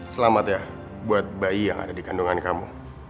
selamat ya buat bayi yang ada di kandungan kamu